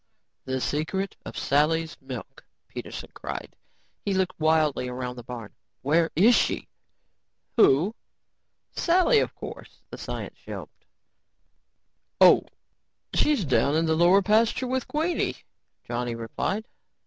"The secret of Sally's milk," Peterson cried. He looked wildly around the barn. "Where is she?" "Who?" "Sally, of course," the scientist yelped. "Oh, she's down in the lower pasture with Queenie," Johnny replied.